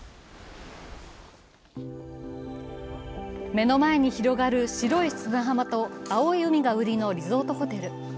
目の前に広がる白い砂浜と青い海が売りのリゾートホテル。